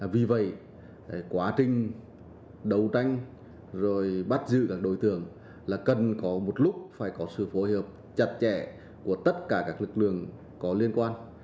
vì vậy quá trình đấu tranh rồi bắt giữ các đối tượng là cần có một lúc phải có sự phối hợp chặt chẽ của tất cả các lực lượng có liên quan